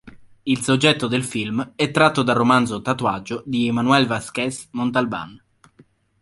Il soggetto del film è tratto dal romanzo "Tatuaggio" di Manuel Vázquez Montalbán.